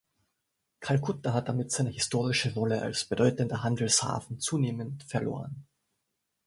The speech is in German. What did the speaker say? Kalkutta hat damit seine historische Rolle als bedeutender Handelshafen zunehmend verloren.